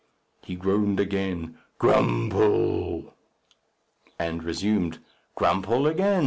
He groaned again, "Grumphll!" And resumed, "Grumphll again!